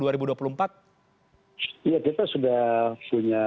ya kita sudah punya pengalaman ya dalam menurut saya